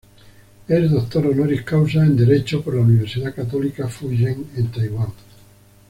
Es Doctor Honoris Causa en Derecho por la Universidad Católica Fu Jen en Taiwán.